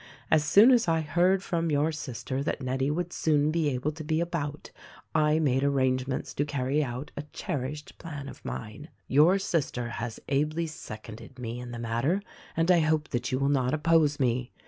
As soon as I heard from your sister that Nettie would soon be able to be about I made arrangements to carry out a cher ished plan of mine. Your sister has ably seconded me in the matter, and I hope that you will not oppose me.